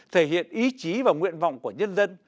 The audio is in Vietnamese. thể hiện ý chí và nguyện vọng của nhân dân